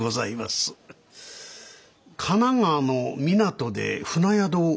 神奈川の湊で船宿を？